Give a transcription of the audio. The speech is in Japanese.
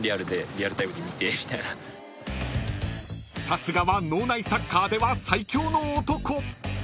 ［さすがは脳内サッカーでは最強の男］